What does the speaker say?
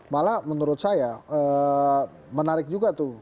malah menurut saya menarik juga tuh